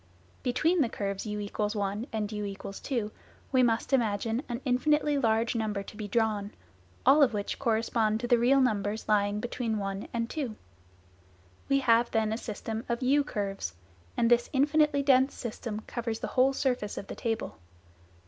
Between the curves u= 1 and u= 2 we must imagine an infinitely large number to be drawn, all of which correspond to real numbers lying between 1 and 2. fig. 04 We have then a system of u curves, and this "infinitely dense" system covers the whole surface of the table.